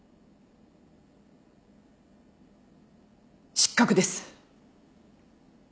失格です。